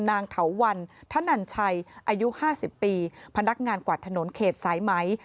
เถาวันธนันชัยอายุ๕๐ปีพนักงานกวาดถนนเขตสายไหม